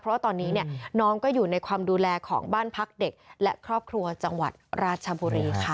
เพราะว่าตอนนี้เนี่ยน้องก็อยู่ในความดูแลของบ้านพักเด็กและครอบครัวจังหวัดราชบุรีค่ะ